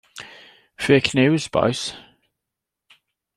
Ffêc niws, bois.